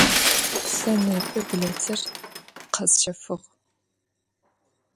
Se nêpe bilêtır khesşefığ.